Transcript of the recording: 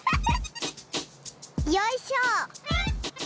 よいしょ！